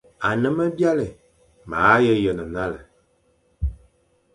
Ane me byalé, ma he yen nale,